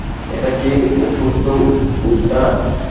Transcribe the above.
এটা কী, Okkotsu Yuta?